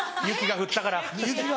雪が降ったから。